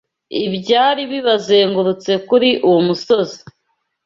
Ibyari bibazengurutse kuri uwo musozi